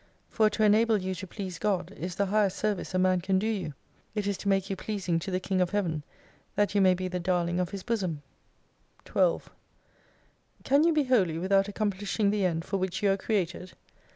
For to enable you to please GOD, is the highest service a man can do you. It is to make you pleasing to the King of Heaven, that you may be the Darling of His bosom. 12 Can you be Holy without accomplishing the end for which you are created